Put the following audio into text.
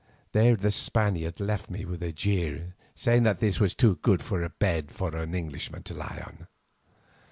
There the Spaniards left me with a jeer, saying that this was too good a bed for an Englishman to lie on.